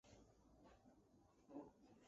这些公司大多也是开源发展实验室的成员。